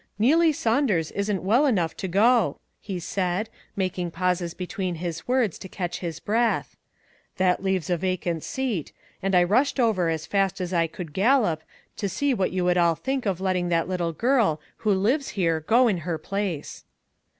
" Neelie Saunders isn't well enough to go," he said, making pauses between his words to catch his breath ;" that leaves a vacant seat, and I rushed over as fast as I could gallop to see what you would all think of letting that lit tle girl who lives here go in her place."